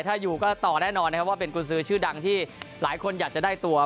ถ้าอยู่ก็ต่อแน่นอนนะครับว่าเป็นกุญสือชื่อดังที่หลายคนอยากจะได้ตัว